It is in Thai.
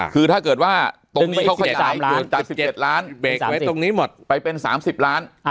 คือถ้าเกิดว่าตรงนี้เขาจะไหนเกิดจาก๑๗ล้านไปเป็น๓๐ล้าน